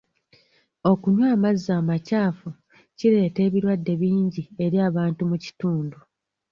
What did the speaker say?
Okunywa amazzi amakyafu kireeta ebirwadde bingi eri abantu mu kitundu .